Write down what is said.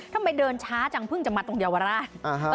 เดินช้าจังเพิ่งจะมาตรงเยาวราช